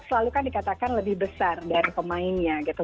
selalu kan dikatakan lebih besar dari pemainnya gitu